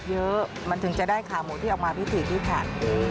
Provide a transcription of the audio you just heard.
เยอะมันถึงจะได้ขาหมูที่ออกมาพิถีพิถัน